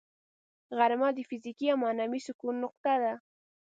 غرمه د فزیکي او معنوي سکون نقطه ده